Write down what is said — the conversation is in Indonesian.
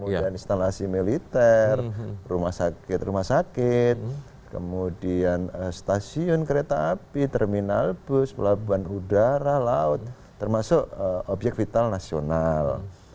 kemudian instalasi militer rumah sakit rumah sakit kemudian stasiun kereta api terminal bus pelabuhan udara laut termasuk objek vital nasional